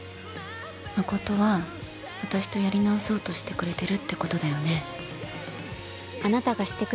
誠は私とやり直そうとしてくれているってことだよね。